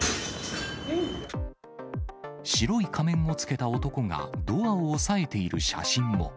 白い仮面をつけた男が、ドアを押さえている写真も。